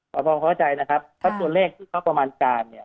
พอเข้าใจเพราะตัวเลขที่เข้าประมาณกลาง